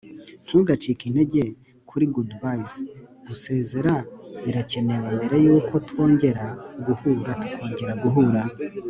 ntugacike intege kuri good-byes gusezera birakenewe mbere yuko twongera guhura tukongera guhura